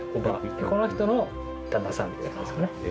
で、この人の旦那さんみたいな感じですね。